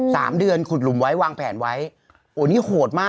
สามเดือนขุดหลุมไว้วางแผนไว้โอ้นี่โหดมาก